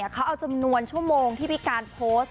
เขาเอาจำนวนชั่วโมงที่พี่การโพสต์